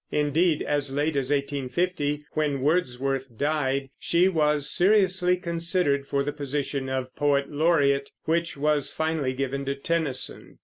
Indeed, as late as 1850, when Wordsworth died, she was seriously considered for the position of poet laureate, which was finally given to Tennyson.